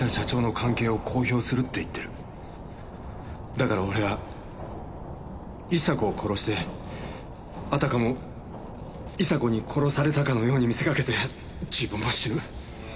だから俺は伊沙子を殺してあたかも伊沙子に殺されたかのように見せかけて自分も死ぬ。